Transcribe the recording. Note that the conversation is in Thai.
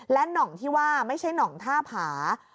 และหน่องที่ว่าไม่ใช่หน่องท่าผา